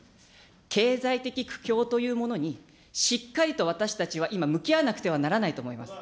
経済的苦境というものに、しっかりと私たちは今向き合わなければならないと思います。